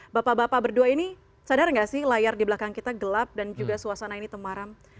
bapak bapak berdua ini sadar gak sih layar di belakang kita gelap dan juga suasana ini temaram